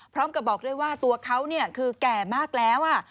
พร้อมกับบอกด้วยว่าตัวเขาคือแก่มากแล้ว